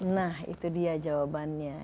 nah itu dia jawabannya